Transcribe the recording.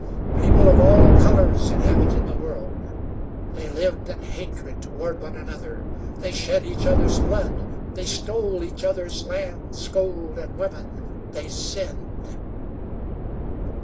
People of all colors inhabited the world. They lived in hatred toward one another. They shed each other's blood; they stole each other's lands, gold, and women. They sinned.